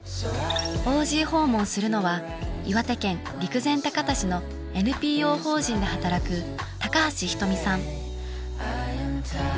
ＯＧ訪問するのは岩手県陸前高田市のＮＰＯ法人で働く高橋瞳さん。